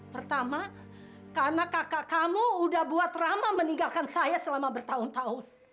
pertama karena kakak kamu udah buat rama meninggalkan saya selama bertahun tahun